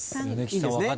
いいんですね？